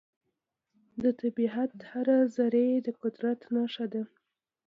د طبیعت هره ذرې د قدرت نښه ده.